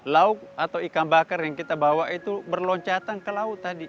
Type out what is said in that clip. lauk atau ikan bakar yang kita bawa itu berloncatan ke laut tadi